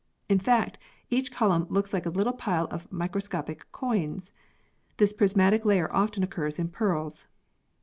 In fact, each column looks like a little pile of microscopic coins. This prismatic layer often occurs in pearls.